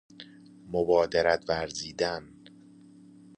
مبادرت ورزیدن